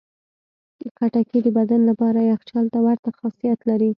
خټکی د بدن لپاره یخچال ته ورته خاصیت لري.